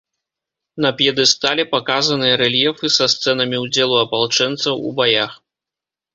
На п'едэстале паказаныя рэльефы са сцэнамі ўдзелу апалчэнцаў у баях.